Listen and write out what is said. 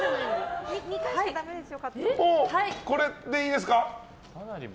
これでいいですか？